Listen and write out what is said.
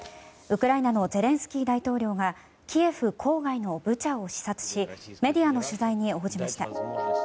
ウクライナのゼレンスキー大統領がキーウ郊外のブチャを視察しメディアの取材に応じました。